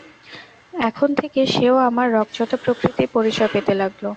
এখন থেকে সে-ও আমার রগচটা প্রকৃতির পরিচয় পেতে লাগল।